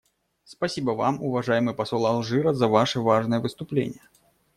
Спасибо Вам, уважаемый посол Алжира, за Ваше важное выступление.